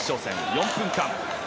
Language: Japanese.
４分間。